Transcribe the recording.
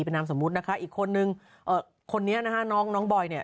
เป็นนามสมมุตินะคะอีกคนนึงคนนี้นะคะน้องน้องบอยเนี่ย